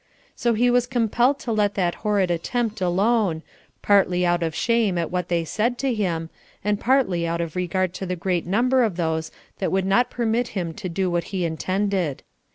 So he was compelled to let that horrid attempt alone, partly out of shame at what they said to him, and partly out of regard to the great number of those that would not permit him to do what he intended.